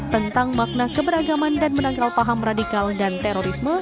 tentang makna keberagaman dan menangkal paham radikal dan terorisme